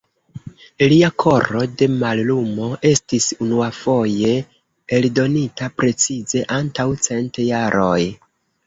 Lia Koro de Mallumo estis unuafoje eldonita precize antaŭ cent jaroj.